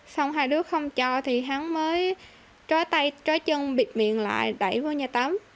xong hai đứa không cho thì hắn mới trói tay trói chân bịt miệng lại đẩy vô nhà tắm